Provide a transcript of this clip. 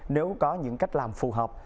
nếu có những cách làm phù hợp